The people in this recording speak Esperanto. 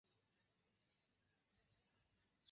Do, ni kunvenas kun ili kaj mi faras tion nun. Do bone.